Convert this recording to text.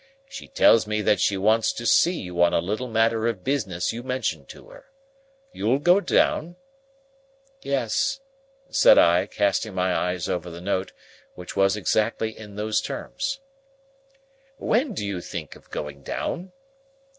She tells me that she wants to see you on a little matter of business you mentioned to her. You'll go down?" "Yes," said I, casting my eyes over the note, which was exactly in those terms. "When do you think of going down?"